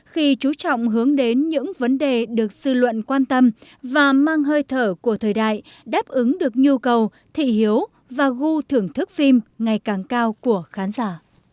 khi chú trọng hướng đến những vấn đề được dư luận quan tâm và mang hơi thở của thời đại đáp ứng được nhu cầu thị hiếu và gu thưởng thức phim ngày càng cao của khán giả